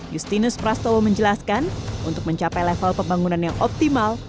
justinus prastowo menjelaskan untuk mencapai level pembangunan yang optimal